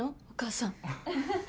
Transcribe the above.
お母さん。